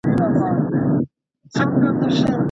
که مجسمي او هنري اثار وساتل سي، نو د ښار ښکلا نه خرابیږي.